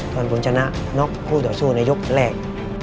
ค่อนกลางชนะนอกโค้ยต่อสู้ครั้งแรก